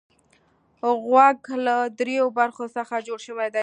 غوږ له دریو برخو څخه جوړ شوی دی.